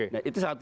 nah itu satu